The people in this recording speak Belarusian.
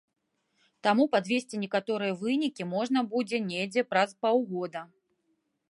Таму падвесці некаторыя вынікі можна будзе недзе праз паўгода.